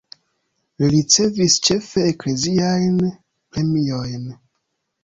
Li ricevis ĉefe ekleziajn premiojn.